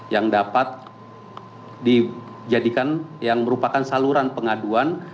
yang dapat dijadikan yang merupakan saluran pengaduan